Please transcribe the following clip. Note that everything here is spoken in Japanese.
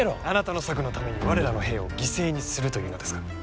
あなたの策のために我らの兵を犠牲にするというのですか。